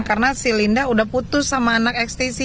karena si linda udah putus sama anak ekstisi